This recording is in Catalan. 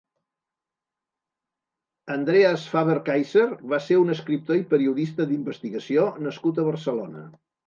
Andreas Faber-Kaiser va ser un escriptor i periodista d'investigació nascut a Barcelona.